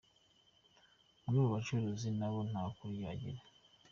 Bamwe mu bacuruzi nabo nta kuri bagira.